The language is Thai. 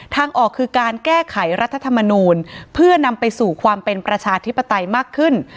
ทางออกคือการแก้ไขรัฐธรรมนูลเพื่อนำไปสู่ความเป็นประชาธิปไตยมากขึ้น